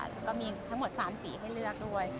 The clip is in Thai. แล้วก็มีทั้งหมด๓สีให้เลือกด้วย